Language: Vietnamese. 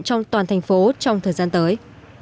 trong toàn thành phố trong thời gian tới